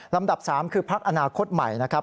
ลำดับ๓คือพักอนาคตใหม่นะครับ